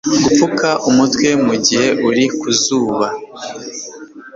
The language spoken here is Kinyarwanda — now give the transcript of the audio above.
Gupfuka umutwe mugihe uri ku zuba